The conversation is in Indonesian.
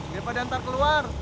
daripada nanti keluar